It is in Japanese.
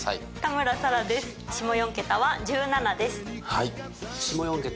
はい。